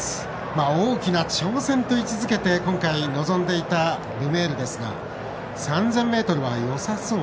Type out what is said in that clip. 大きな挑戦と位置づけて今回、臨んでいたルメールですが「３０００ｍはよさそう。